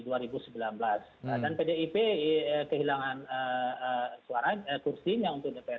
dan pdip kehilangan suara kursinya untuk dpr ri